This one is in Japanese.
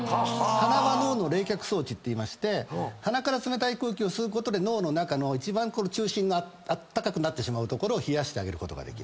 鼻は脳の冷却装置といいまして鼻から冷たい空気を吸うことで脳の中の一番中心のあったかくなってしまう所を冷やしてあげることができる。